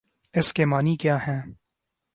اس کے معانی کیا ہیں؟